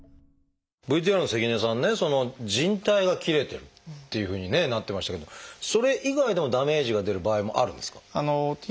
ＶＴＲの関根さんね靭帯が切れてるっていうふうにねなってましたけどそれ以外でもダメージが出る場合もあるんですか？